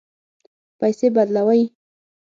پیسې بدلوئ؟